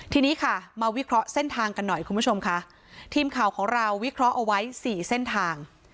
ทีนี้ค่ะมาวิเคราะห์เส้นทางกันหน่อยคุณผู้ชมค่ะทีมข่าวของเราวิเคราะห์เอาไว้สี่เส้นทาง